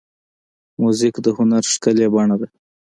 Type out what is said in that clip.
موزیک د هنر ښکلې بڼه ده.